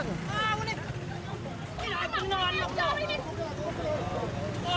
ketika berada di sebuah kota